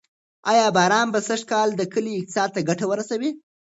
آیا باران به سږکال د کلي اقتصاد ته ګټه ورسوي؟